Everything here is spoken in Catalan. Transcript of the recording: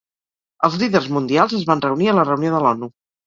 Els líders mundials es van reunir a la reunió de l'ONU.